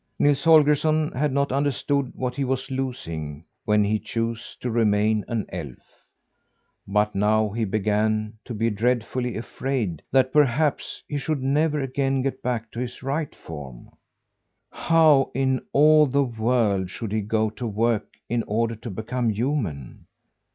Nils Holgersson had not understood what he was losing when he chose to remain an elf; but now he began to be dreadfully afraid that, perhaps, he should never again get back to his right form. How in all the world should he go to work in order to become human?